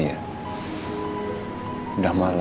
saya gak pernah izin kamu naik taksi ya